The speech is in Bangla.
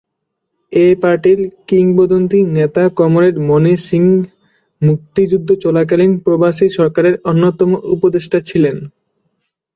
এ পার্টির কিংবদন্তি নেতা কমরেড মণি সিংহ মুক্তিযুদ্ধকালীন প্রবাসী সরকারের অন্যতম উপদেষ্টা ছিলেন।